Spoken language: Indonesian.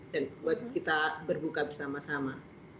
dan buat kita berbuka bersama sama